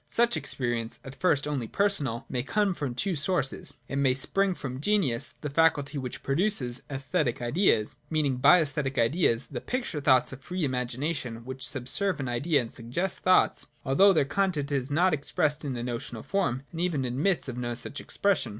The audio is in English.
Such ex perience, at first only personal, may come from two sources. It may spring from Genius, the faculty which produces ' aesthetic ideas '; meaning by aesthetic ideas, the picture thoughts of the free imagination which sub serve an idea and suggest thoughts, although their con tent is not expressed in a notional form, and even admits of no such expression.